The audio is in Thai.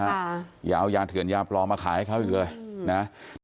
อย่าเอายาเถื่อนยาปลอมมาขายให้เขาอีกเลยนะ